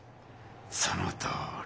そのとおり！